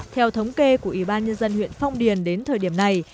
theo thống kê của ủy ban nhân dân huyện phong điền đến thời điểm này